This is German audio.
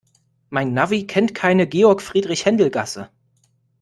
Mein Navi kennt keine Georg-Friedrich-Händel-Gasse.